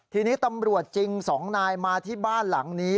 ทีนี้ตำรวจจริง๒นายมาที่บ้านหลังนี้